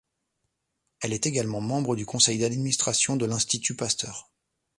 Elle est également membre du conseil d'administration de l'Institut Pasteur.